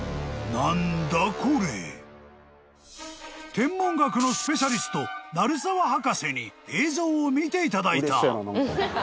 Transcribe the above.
［天文学のスペシャリスト鳴沢博士に映像を見ていただいた］